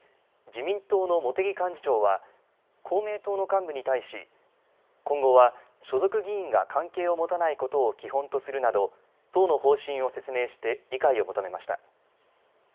自民党の茂木幹事長は公明党の幹部に対し、今後は所属議員が関係を持たないことを基本とするなど党の方針を説明して理解を求めました。